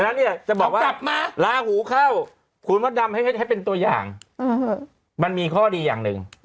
แล้วเนี่ยจะบอกว่ากลับมาลาหูเข้าคุณมดดำให้เป็นตัวอย่างมันมีข้อดีอย่างหนึ่ง